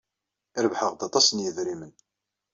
Rebḥeɣ-d aṭas n yidrimen.